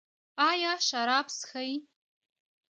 ایا شراب څښئ؟